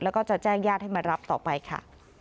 แล้วก็จะแจ้งญาติให้มารับต่อไปค่ะ